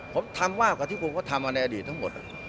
ผมทำมากกว่าที่คุณก็ทำมาในอดีตทั้งหมด